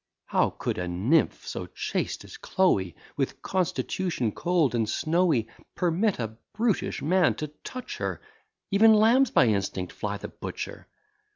How could a nymph so chaste as Chloe, With constitution cold and snowy, Permit a brutish man to touch her? Ev'n lambs by instinct fly the butcher.